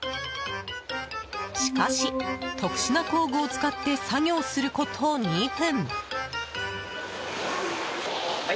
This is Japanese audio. しかし、特殊な工具を使って作業すること２分。